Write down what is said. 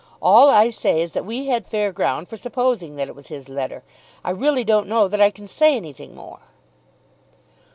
All I say is that we had fair ground for supposing that it was his letter. I really don't know that I can say anything more."